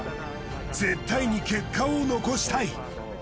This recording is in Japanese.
絶対に結果を残したい。